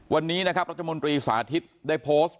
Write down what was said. วันนี้นะครับรัฐมนตรีสาธิตได้โพสต์